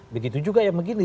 begitu juga yang begini